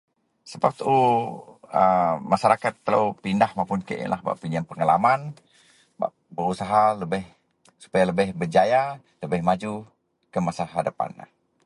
sebab tuu a Masyarakat telou pindah mapun kek ienlah bak peyieng pengalaman, bak berusaha lebih supaya lebih Berjaya, lebih maju ke masa hadapan